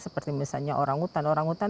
seperti misalnya orang hutan orang hutan